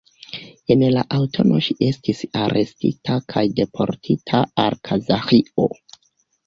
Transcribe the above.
En la aŭtuno ŝi estis arestita kaj deportita al Kazaĥio.